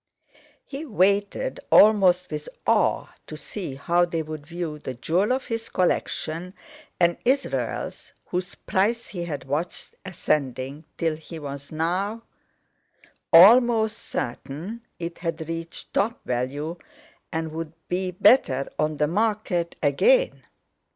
He waited almost with awe to see how they would view the jewel of his collection—an Israels whose price he had watched ascending till he was now almost certain it had reached top value, and would be better on the market again.